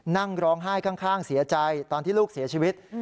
นั่งร้องไห้ข้างเสียใจตอนที่ลูกเสียชีวิต